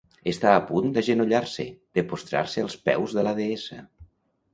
Està a punt d'agenollar-se, de prostrar-se als peus de la deessa.